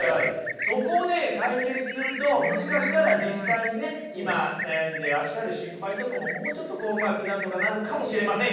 そこを解決するともしかしたら実際にね今悩んでらっしゃる失敗とかももうちょっとうまくなんとかなるかもしれませんよ。